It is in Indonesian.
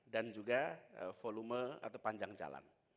dan juga volume atau panjang jalan